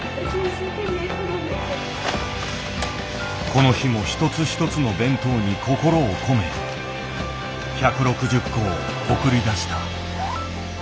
この日も一つ一つの弁当に心を込め１６０個を送り出した。